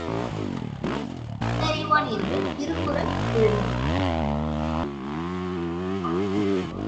ஒத்தறிவான் என்று திருக்குறள் கூறும்.